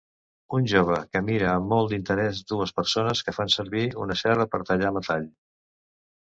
Un jove que mira amb molt d'interès dues persones que fan servir una serra per tallar metall.